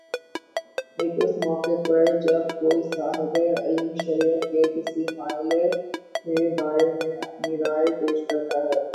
ایک اس موقع پر جب کوئی صاحبِ علم شریعت کے کسی مئلے کے بارے میں اپنی رائے پیش کرتا ہے